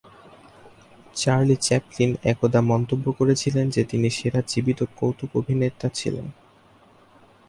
Charlie Chaplin একদা মন্তব্য করেছিলেন যে, তিনি সেরা জীবিত কৌতুক অভিনেতা ছিলেন।